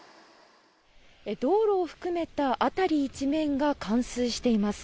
道路を含めた辺り一面が冠水しています。